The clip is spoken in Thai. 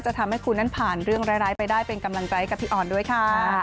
ทำให้คุณนั้นผ่านเรื่องร้ายไปได้เป็นกำลังใจกับพี่อ่อนด้วยค่ะ